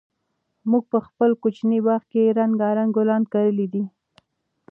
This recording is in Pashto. موږ په خپل کوچني باغ کې رنګارنګ ګلان کرلي دي.